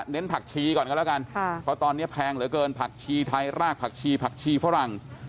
ผักชีก่อนกันแล้วกันเพราะตอนนี้แพงเหลือเกินผักชีไทยรากผักชีผักชีฝรั่ง